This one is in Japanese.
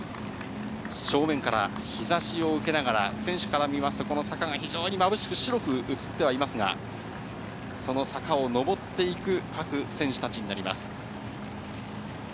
正面から日ざしを受けながら、選手から見ますと、この坂が非常にまぶしく、白く映ってはいますが、その坂を上っていく各選手たちになります。